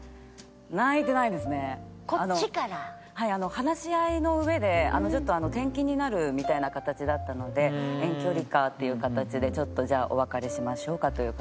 話し合いのうえでちょっと転勤になるみたいな形だったので「遠距離か」っていう形でちょっとじゃあお別れしましょうかという形でございました。